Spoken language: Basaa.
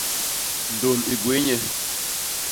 Ndôn i gwéé nye.